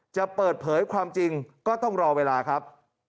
จะเปิดเผยความจริงก็ต้องรอเวลาครับ